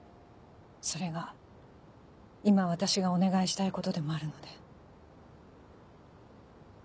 それが今私がお願いしたいことでもあるので。